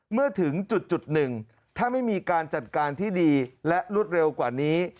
เมื่อถึงจุดหนึ่งถ้าไม่มีการจัดการที่ดีและรวดเร็วกว่านี้